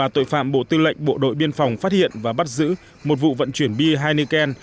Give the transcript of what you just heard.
tội phạm bộ tư lệnh bộ đội biên phòng phát hiện và bắt giữ một vụ vận chuyển bia heineken